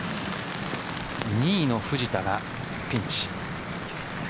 ２位の藤田がピンチ。